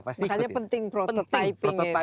makanya penting prototyping ini ya